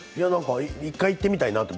１回行ってみたいなと。